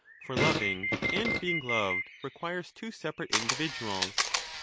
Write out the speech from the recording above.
For loving and being loved requires two 15 separate individuals.